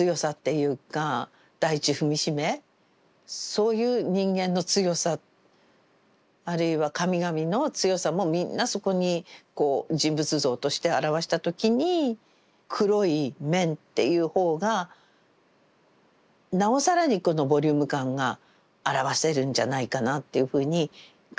そういう人間の強さあるいは神々の強さもみんなそこに人物像として表した時に黒い面っていうほうがなおさらにこのボリューム感が表せるんじゃないかなっていうふうに考え